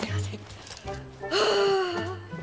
はあ。